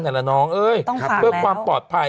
น่ารักน้องเองเพื่อความปลอดภัย